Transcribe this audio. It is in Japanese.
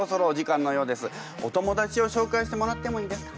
お友達を紹介してもらってもいいですか？